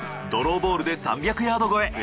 ドローボールで３００ヤード越え。